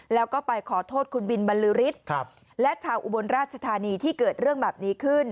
แล้วก็ไปขอโทษคุณบินบรรลือฤทธิ์และชาวอุบลราชธานีที่เกิดเรื่องแบบนี้ขึ้น